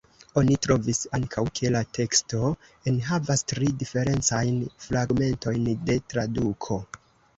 Oni trovis ankaŭ, ke la teksto enhavas tri diferencajn fragmentojn de traduko.